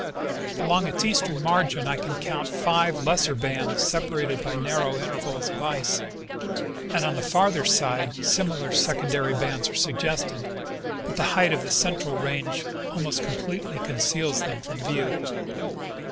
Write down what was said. Along its eastern margin I can count five lesser bands separated by narrow intervals of ice, and on the farther side similar secondary bands are suggested, but the height of the central range almost completely conceals them from view.